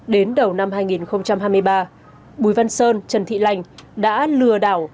đến đầu năm hai nghìn hai mươi ba bùi vân sơn trần tị lạnh đã lừa đảo